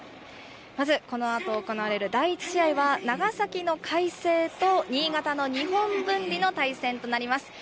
まずこのあと行われる第１試合は長崎の海星と新潟の日本文理の対戦となります。